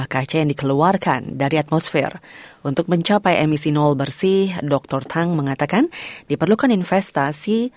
karena gas adalah minyak fosil yang mempunyai polusi